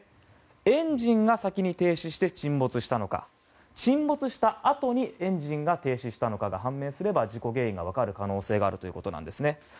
エンジンが先に停止して沈没したのか沈没したあとに、エンジンが停止したのかが判明すれば事故原因が分かる可能性があるということです。